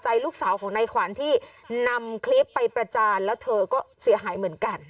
ใจลูกสาวของนายขวัญที่นำคลิปไปประจานแล้วเธอก็เสียหายเหมือนกัน